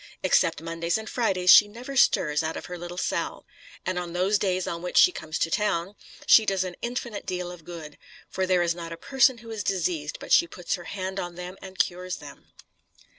Except Mondays and Fridays, she never stirs out of her little cell; and on those days on which she comes into the town she does an infinite deal of good; for there is not a person who is diseased but she puts her hand on them and cures them."